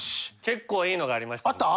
結構いいのがありました。